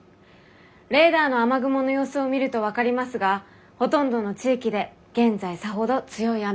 レーダーの雨雲の様子を見ると分かりますがほとんどの地域で現在さほど強い雨は降っていません。